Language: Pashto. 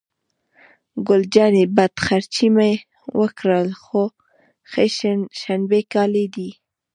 ګل جانې: بد خرڅي مې وکړل، خو ښه شبني کالي دي.